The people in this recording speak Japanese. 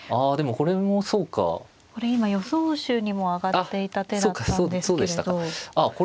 これ今予想手にも挙がっていた手だったんですけれど。